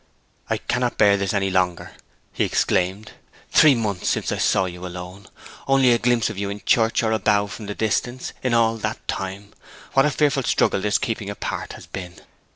'I cannot bear this any longer!' he exclaimed. 'Three months since I saw you alone! Only a glimpse of you in church, or a bow from the distance, in all that time! What a fearful struggle this keeping apart has been!'